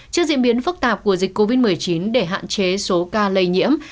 trước diễn biến phức tạp của dịch covid một mươi chín để hạn chế số ca lây nhiễm